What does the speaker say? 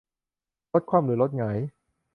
รถคว่ำหรือรถหงาย